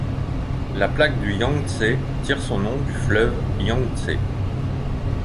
La plaque du Yangtsé tire son nom du fleuve Yangtsé.